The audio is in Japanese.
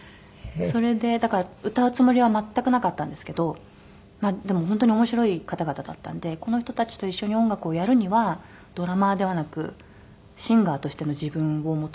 それでだから歌うつもりは全くなかったんですけどでも本当に面白い方々だったんでこの人たちと一緒に音楽をやるにはドラマーではなくシンガーとしての自分を求められてるんだ。